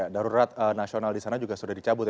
darurat nasional di sana juga sudah dicabut